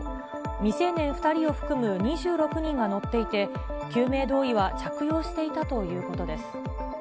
未成年２人を含む２６人が乗っていて、救命胴衣は着用していたということです。